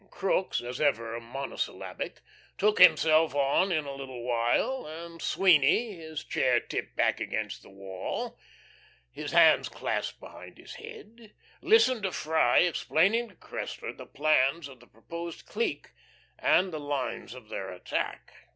Crookes, as ever monosyllabic, took himself on in a little while, and Sweeny, his chair tipped back against the wall, his hands clasped behind his head, listened to Freye explaining to Cressler the plans of the proposed clique and the lines of their attack.